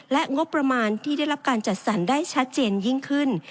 และงบประมาณที่ได้รับการจัดสรรได้ชัดเจนยิ่งขึ้น